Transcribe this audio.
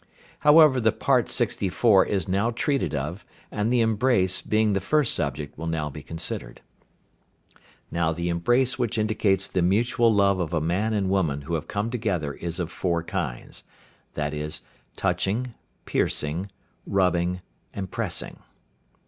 However the part sixty four is now treated of, and the embrace, being the first subject, will now be considered. Now the embrace which indicates the mutual love of a man and woman who have come together is of four kinds, viz.: Touching. Piercing. Rubbing. Pressing.